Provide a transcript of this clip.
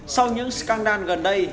sau những scandal gần đây